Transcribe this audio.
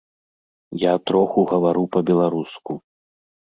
Я троху гавару па-беларуску.